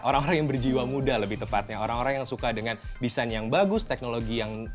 orang orang yang berjiwa muda lebih tepatnya orang orang yang suka dengan desain yang bagus teknologi yang